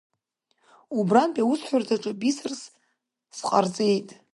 Убрантәи аусҳәарҭаҿы писарс сҟарҵеит.